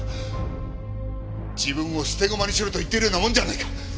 自分を捨て駒にしろと言ってるようなもんじゃないか！